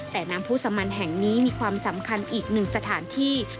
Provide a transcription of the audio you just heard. แต่น้ำผู้สมันแห่งนี้มีความสำคัญอีกหนึ่งสถานที่